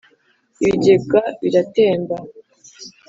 Ibigega biratemba